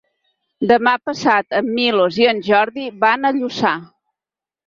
Demà passat en Milos i en Jordi van a Lluçà.